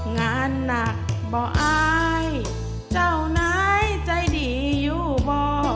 งานหนักบ่ออายเจ้านายใจดีอยู่บ่อ